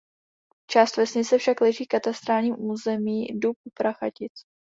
Část vesnice však leží katastrálním území Dub u Prachatic.